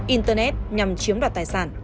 internet nhằm chiếm đoạt tài sản